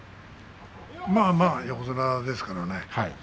まあまあ、横綱ですからね。